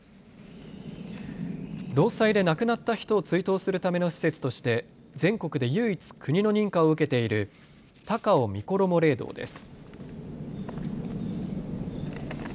労災で亡くなった人を追悼するための施設として全国で唯一国の認可を受けている高尾みころも霊堂です。